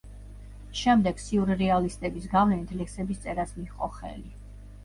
შემდეგ სიურრეალისტების გავლენით ლექსების წერას მიჰყო ხელი.